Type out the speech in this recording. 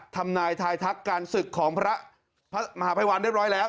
ทำนายทายทักการศึกของพระมหาภัยวันเรียบร้อยแล้ว